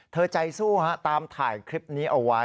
ใจสู้ฮะตามถ่ายคลิปนี้เอาไว้